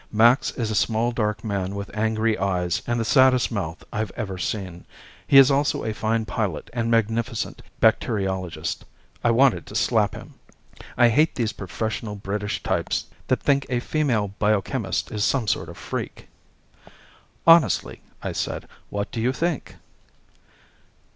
Max is a small dark man with angry eyes and the saddest mouth I've ever seen. He is also a fine pilot and magnificent bacteriologist. I wanted to slap him. I hate these professional British types that think a female biochemist is some sort of freak. "Honestly," I said. "What do you think?"